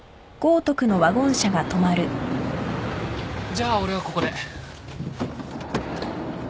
じゃあ俺はここで。